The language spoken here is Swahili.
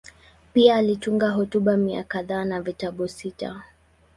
Pia alitunga hotuba mia kadhaa na vitabu sita.